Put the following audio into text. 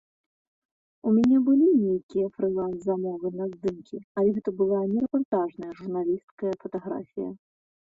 У мяне былі нейкія фрыланс-замовы на здымкі, але гэта была не рэпартажная журналісцкая фатаграфія.